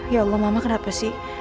ya allah mama kenapa sih